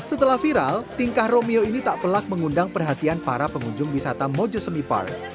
setelah viral tingkah romeo ini tak pelak mengundang perhatian para pengunjung wisata mojosemi park